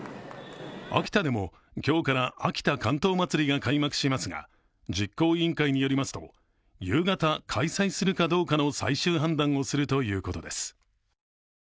秋田でも、今日から秋田竿燈まつりが開幕されますが実行委員会によりますと夕方開催するかどうかの最終判断をするということです。